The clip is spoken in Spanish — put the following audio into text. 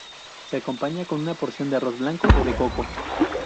Se acompaña con una porción de arroz blanco o de coco.